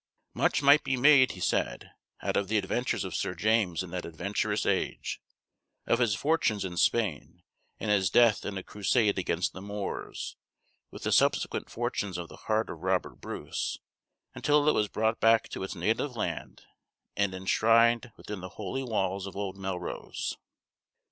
Much might be made, he said, out of the adventures of Sir James in that adventurous age; of his fortunes in Spain, and his death in a crusade against the Moors; with the subsequent fortunes of the heart of Robert Bruce, until it was brought back to its native land, and enshrined within the holy walls of old Melrose.